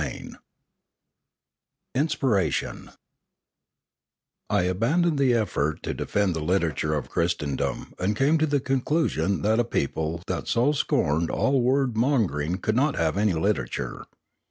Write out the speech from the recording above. CHAPTER VI INSPIRATION 1 ABANDONED the effort to defend the literature of Christendom, and came to the conclusion that a people that so scorned all word mongering could not have any literature.